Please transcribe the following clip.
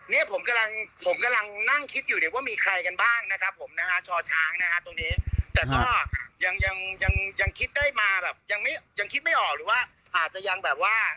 เนี่ยผมกำลังนั่งคิดอยู่ว่ามีใครกันบ้างนะครับผมนะฮะช้าวช้างนะฮะตรงนี้แต่ก็ยังคิดได้มาแบบยังคิดไม่ออกหรือว่าอาจจะยังแบบว่า